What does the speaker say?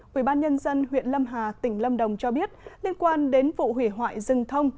quỹ ban nhân dân huyện lâm hà tỉnh lâm đồng cho biết liên quan đến vụ hủy hoại rừng thông